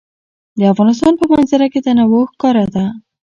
د افغانستان په منظره کې تنوع ښکاره ده.